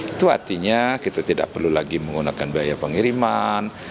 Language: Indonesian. itu artinya kita tidak perlu lagi menggunakan biaya pengiriman